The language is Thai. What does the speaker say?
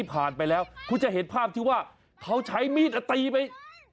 ผ่านไปแล้วคุณจะเห็นภาพที่ว่าเขาใช้มีดตีไป